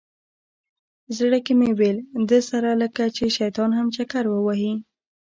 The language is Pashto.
زړه کې مې ویل ده سره لکه چې شیطان هم چکر ووهي.